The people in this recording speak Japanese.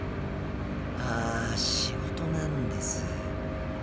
あ仕事なんです。